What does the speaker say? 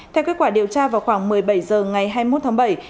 theo kết quả điều tra vào khoảng một mươi bảy h ngày hai mươi một tháng bảy